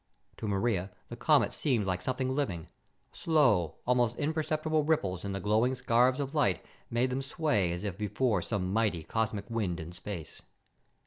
To Maria, the comet seemed like something living. Slow, almost imperceptible ripples in the glowing scarves of light made them sway as if before some mighty, cosmic wind in space.